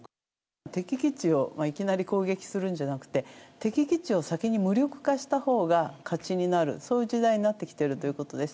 敵基地をいきなり攻撃するんじゃなくて、敵基地を先に無力化したほうが勝ちになる、そういう時代になってきているということです。